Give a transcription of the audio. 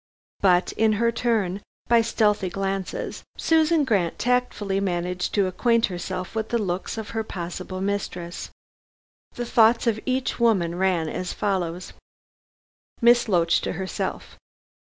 But, in her turn, by stealthy glances, Susan Grant tactfully managed to acquaint herself with the looks of her possible mistress. The thoughts of each woman ran as follows, Miss Loach to herself.